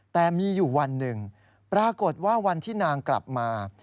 แต่มีอยู่วันหนึ่งปรากฏว่าวันที่นางกลับมา